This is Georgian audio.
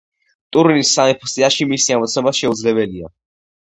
ტურინის სამეფო სიაში მისი ამოცნობა შეუძლებელია.